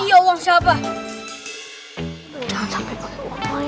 jangan sampai pakai uang main